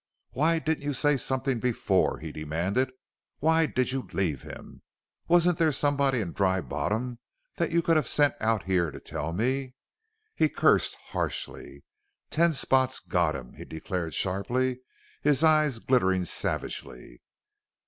"Why didn't you say something before?" he demanded. "Why did you leave him? Wasn't there somebody in Dry Bottom that you could have sent out here to tell me?" He cursed harshly. "Ten Spot's got him!" he declared sharply, his eyes glittering savagely.